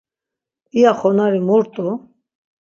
İya xonari mu rt̆u?